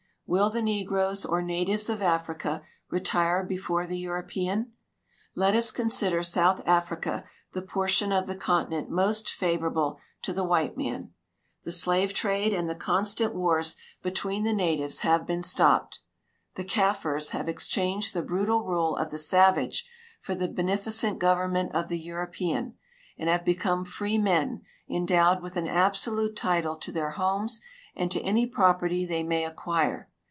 Will tlie negroes or natives of Africa retire before the European ? Let us consider South Africa tlie ])ortion of the continent most favor able to tbe white man. The slave trade and the constant wars between the natives have been stopped ; the Kaffirs have ex clianged the brutal rule of the savage for the beneficent govern ment of the Euro]>ean, and have l)ecome freemen, endowed with an absolute title to their homes and to any ipro}ierty they may acquire.